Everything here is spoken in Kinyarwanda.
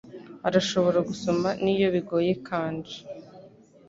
Arashobora gusoma niyo bigoye kanji.